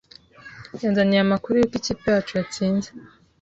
Yanzaniye amakuru yuko ikipe yacu yatsinze